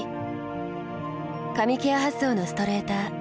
髪ケア発想のストレーター。